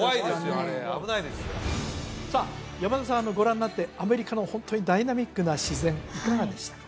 あれ危ないですよさあ山田さんご覧になってアメリカのホントにダイナミックな自然いかがでしたか？